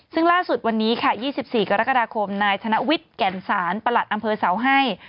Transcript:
ซึ่งล่าสุดวันนี้ค่ะ๒๔กรกฎาคมนายธนวิทย์แก่นศาลประหลัดอำเภอเสาให้